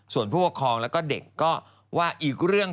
ส่วนผู้ประคองและเด็กก็ว่าอีกเรื่อง